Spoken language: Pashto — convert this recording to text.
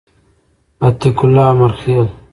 عتیق الله امرخیل